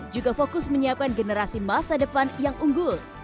juga fokus menyiapkan generasi masa depan yang unggul